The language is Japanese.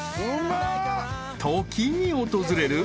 ［時に訪れる］